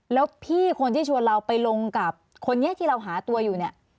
แล้วพี่คนที่ชวนเราไปลงกับคนนี้ที่เราหาตัวอยู่เนี่ย